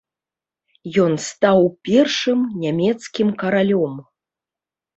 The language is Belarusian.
Ён стаў першым нямецкім каралём.